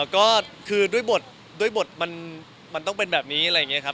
ก็คือด้วยบทด้วยบทมันต้องเป็นแบบนี้อะไรอย่างนี้ครับ